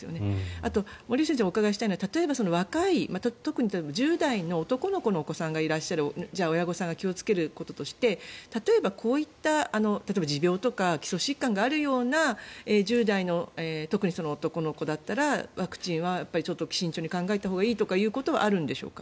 森内先生にお伺いしたいのは例えば若い、特に１０代の男の子のお子さんがいる親御さんが気をつけることとして例えば、こういった持病とか基礎疾患があるような１０代の、特に男の子だったらワクチンはちょっと慎重に考えたほうがいいということはあるんでしょうか？